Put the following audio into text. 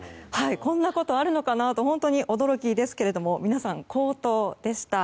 こんなことあるのかなと本当に驚きですが皆さん、好投でした。